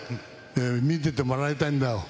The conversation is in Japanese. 見ててもらいたいんだよ。